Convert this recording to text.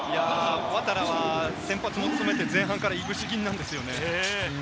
ワタラは先発も務めて前半からいぶし銀なんですよね。